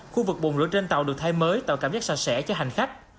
khu vực bùn rửa trên tàu được thay mới tạo cảm giác sạch sẽ cho hành khách